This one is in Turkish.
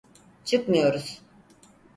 Çıkmıyoruz.